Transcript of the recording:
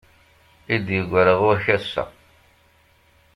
I d-yegra ɣur-k ass-a.